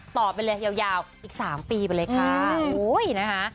ต่อไปเลยยาวอีก๓ปีไปเลยค่ะ